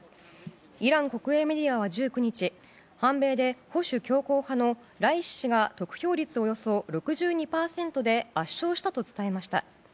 イラン国営メディアは１９日反米で保守強硬派のライシ師が得票率およそ６２％で圧勝したと伝えました。